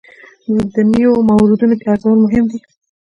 نویو موردونو کې ارزول مهم دي.